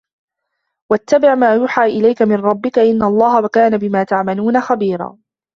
وَاتَّبِع ما يوحى إِلَيكَ مِن رَبِّكَ إِنَّ اللَّهَ كانَ بِما تَعمَلونَ خَبيرًا